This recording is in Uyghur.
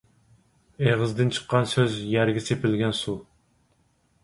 ئېغىزدىن چىققان سۆز – يەرگە سېپىلگەن سۇ.